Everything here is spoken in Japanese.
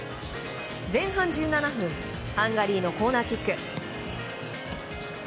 前半１７分ハンガリーのコーナーキック。